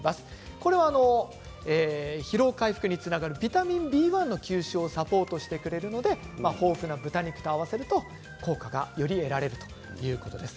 これは疲労回復につながるビタミンＢ１の吸収をサポートしてくれるので豊富な豚肉と合わせると効果がより得られるということです。